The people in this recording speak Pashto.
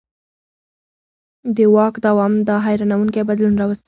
د واک دوام دا حیرانوونکی بدلون راوستی.